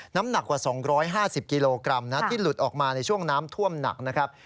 น้ำหนักกว่า๒๕๐กิโลกรัมนะที่หลุดออกมาในช่วงน้ำท่วมหนักนะครับ